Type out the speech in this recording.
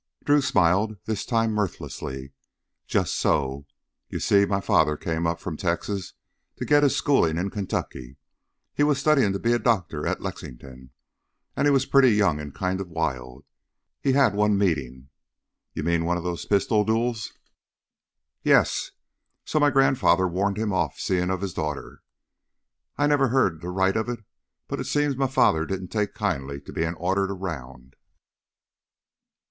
Drew smiled, this time mirthlessly. "Just so. You see, m' father came up from Texas to get his schoolin' in Kentucky. He was studyin' to be a doctor at Lexington. And he was pretty young and kind of wild. He had one meetin' " "You mean one of them pistol duels?" "Yes. So my grandfather warned him off seein' his daughter. I never heard the rights of it, but it seems m' father didn't take kindly to bein' ordered around."